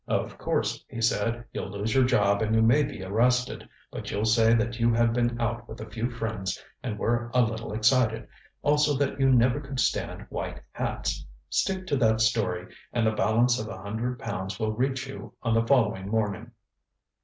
ŌĆ£'Of course,' he said, 'you'll lose your job and you may be arrested, but you'll say that you had been out with a few friends and were a little excited, also that you never could stand white hats. Stick to that story and the balance of a hundred pounds will reach you on the following morning.'